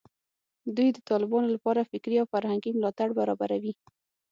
دوی د طالبانو لپاره فکري او فرهنګي ملاتړ برابروي